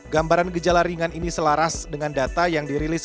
gambaran gejala ringan ini selaras dengan data yang diberikan oleh rspi